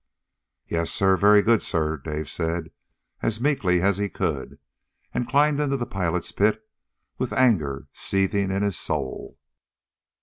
"Yes, sir, very good, sir," Dave said as meekly as he could, and climbed into the pilot's pit with anger seething in his soul.